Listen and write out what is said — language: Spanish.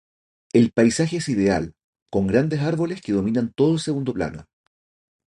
El paisaje es ideal, con grandes árboles que dominan todo el segundo plano.